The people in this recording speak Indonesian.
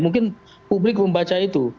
mungkin publik membaca itu